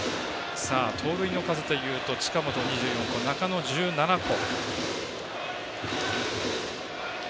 盗塁の数でいうと近本２４個、中野１７個。